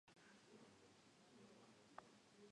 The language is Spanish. La documentación histórica de este enclave es escasa.